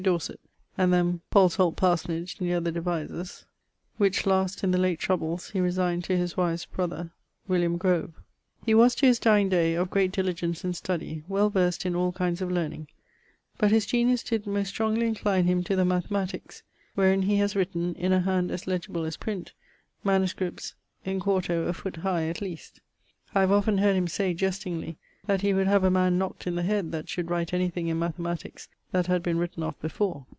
Dorset, and then Paulsholt parsonage, neer the Devises, which last in the late troubles he resigned to his wive's brother Grove. He was to his dyeing day of great diligence in study, well versed in all kinds of learning, but his genius did most strongly encline him to the mathematiques, wherin he has written (in a hand as legible as print) MSS. in 4to a foot high at least. I have often heard him say (jestingly) that he would have a man knockt in the head that should write any thing in mathematiques that had been written of before.